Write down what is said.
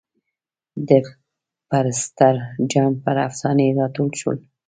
د پرسټر جان پر افسانې را ټول شول.